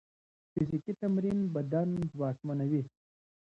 فزیکي تمرین بدن ځواکمنوي.